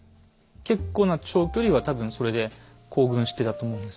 結構な長距離は多分それで行軍してたと思うんですね。